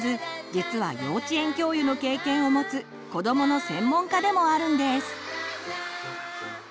実は幼稚園教諭の経験をもつ子どもの専門家でもあるんです。